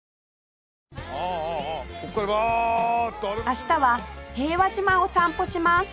明日は平和島を散歩します